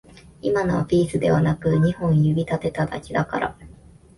今のはピースではなく二本指立てただけだから